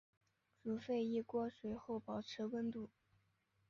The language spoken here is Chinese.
煮沸一锅水后保持温度。